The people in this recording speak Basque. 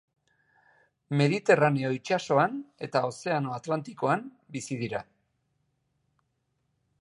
Mediterraneo itsasoan eta Ozeano Atlantikoan bizi dira.